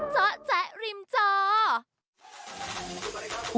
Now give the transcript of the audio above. จ๊ะจ๊ะริมจ้อ